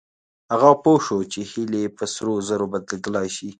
هغه پوه شو چې هيلې په سرو زرو بدلېدلای شي.